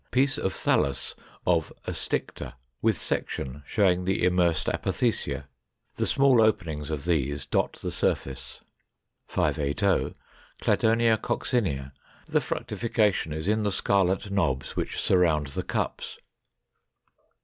Piece of thallus of a Sticta, with section, showing the immersed apothecia; the small openings of these dot the surface. 580. Cladonia coccinea; the fructification is in the scarlet knobs, which surround the cups.